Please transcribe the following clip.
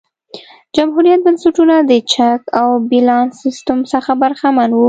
جمهوريت بنسټونه د چک او بیلانس سیستم څخه برخمن وو.